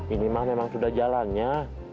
ini mah memang sudah jalannya